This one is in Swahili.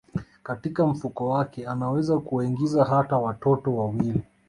Katika mfuko wake anaweza kuwaingiza hata watoto wawili